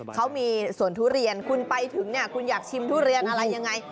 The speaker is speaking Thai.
เขามีสวนทุเรียนคุณไปถึงเนี่ยคุณอยากชิมทุเรียนอะไรยังไง